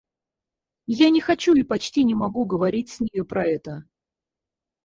Я не хочу и почти не могу говорить с нею про это.